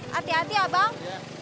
hati hati ya bang